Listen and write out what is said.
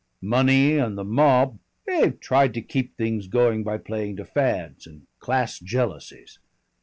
Money and the mob they've tried to keep things going by playing to fads and class jealousies.